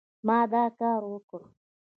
ما دا کار وکړ